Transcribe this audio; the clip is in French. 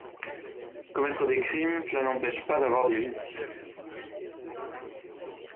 Commettre des crimes, cela n’empêche pas d’avoir des vices.